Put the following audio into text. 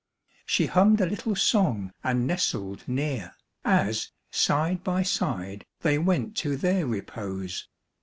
She hummed a little song and nestled near, As side by side they went to their repose.